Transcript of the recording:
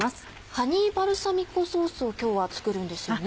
ハニーバルサミコソースを今日は作るんですよね。